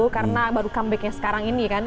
karena baru comebacknya sekarang ini kan